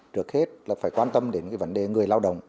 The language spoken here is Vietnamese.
trước hết là phải quan tâm đến vấn đề người lao động